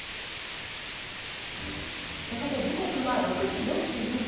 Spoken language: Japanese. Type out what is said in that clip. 時刻は６時４４分。